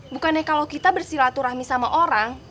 bukannya kalau kita bersilaturahmi sama orang